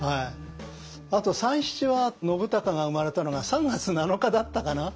あと「三七」は信孝が生まれたのが３月７日だったかな？